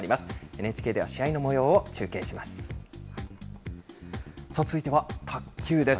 ＮＨＫでは試合のもようを中継します。